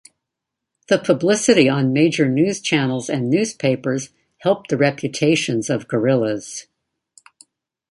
The publicity on major news channels and newspapers helped the reputations of gorillas.